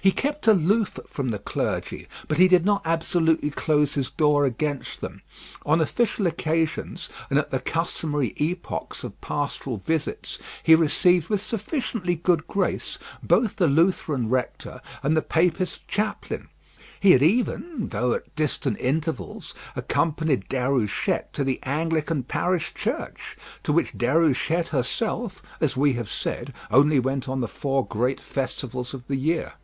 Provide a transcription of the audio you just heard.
He kept aloof from the clergy, but he did not absolutely close his door against them. On official occasions, and at the customary epochs of pastoral visits, he received with sufficiently good grace both the Lutheran rector and the Papist chaplain. He had even, though at distant intervals, accompanied Déruchette to the Anglican parish church, to which Déruchette herself, as we have said, only went on the four great festivals of the year.